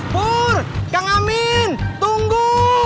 pur kang amin tunggu